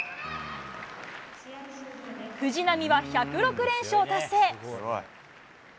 藤波は１０６連勝達成。